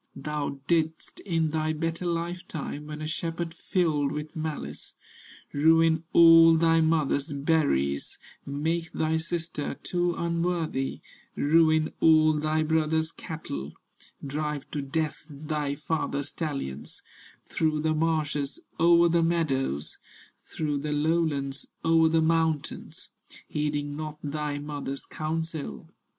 Thou didst, in thy better life time, When a shepherd filled with malice, Ruin all thy mother's berries, Make thy sister, too unworthy, Ruin all thy brother's cattle, Drive to death thy father's stallions, Through the marshes, o'er the meadows, Through the lowlands, o'er the mountains, Heeding not thy mother's counsel."